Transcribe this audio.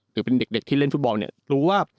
หรือเป็นเด็กที่เล่นฟุตบอลเนี่ยรู้ว่า